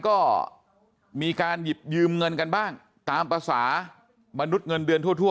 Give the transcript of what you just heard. ก็มีการหยิบยืมเงินกันบ้างตามภาษามนุษย์เงินเดือนทั่ว